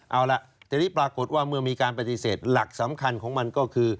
เอาล่ะทีนี้ปรากฏว่าเมื่อมีการปฏิเสธหลักสำคัญของมันก็คือ